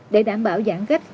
để đảm bảo giãn cách